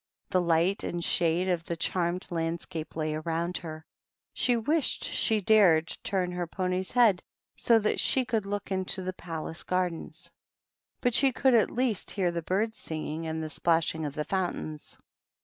The light and shade of the charmed landscape lay around her ; she wished she dared turn her pony's head so that she could look into the palace gardens; but she could at least j hear the birds singing and the splashing of the J fountains.